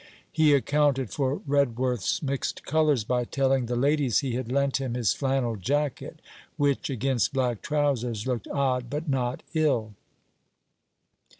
He accounted for Redworth's mixed colours by telling the ladies he had lent him his flannel jacket; which, against black trousers, looked odd but not ill.